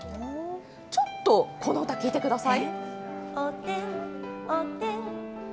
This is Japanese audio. ちょっとこの歌、聴いてください。